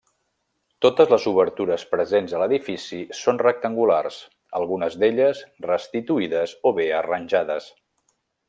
Totes les obertures presents a l'edifici són rectangulars, algunes d'elles restituïdes o bé arranjades.